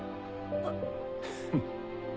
フッ。